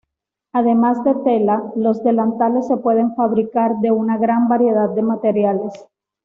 Además de tela, los delantales se pueden fabricar de una gran variedad de materiales.